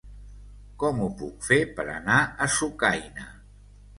Com ho puc fer per anar a Sucaina?